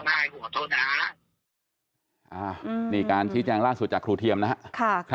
อ่านี่การชี้จางร่างสุดจากครูเทียมนะฮะ